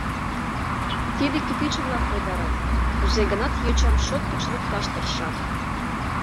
Тиде кӱтӱчӧ-влак койдарат, кузе-гынат йочам шот гыч лукташ тыршат.